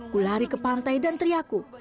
ku lari ke pantai dan teriaku